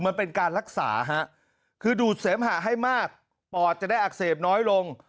มันเป็นการรักษาฮะคือดูดเสมหะให้มากปอดจะได้อักเสบน้อยลง